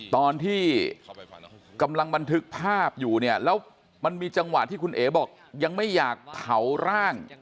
ตอนที่กำลังบันทึกภาพอยู่เนี่ยแล้วมันมีจังหวะที่คุณเอ๋บอกยังไม่อยากเผาร่าง